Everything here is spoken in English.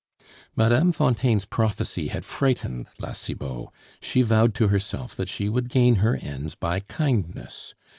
Mme. Fontaine's prophecy had frightened La Cibot; she vowed to herself that she would gain her ends by kindness.